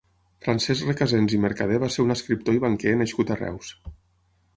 Francesc Recasens i Mercadé va ser un escriptor i banquer nascut a Reus.